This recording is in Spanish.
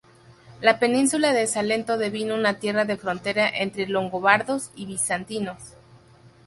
La península de Salento devino una tierra de frontera entre Longobardos y Bizantinos.